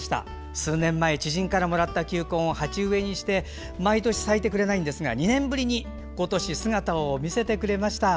数年前知人からもらった球根を鉢植えにして毎年咲いてくれないんですが２年ぶりに今年、姿を見せてくれました。